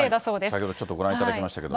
先ほどちょっとご覧いただきましたけど。